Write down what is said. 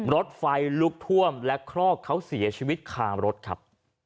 รถไฟลุกท่วมและครอกเขาเสียชีวิตคารถครับ